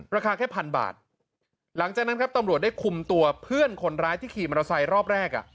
ราคาแค่พันบาทหลังจากนั้นครับตำรวจได้คุมตัวเพื่อนคนร้ายที่ขี่มอเตอร์ไซค์รอบแรกอ่ะ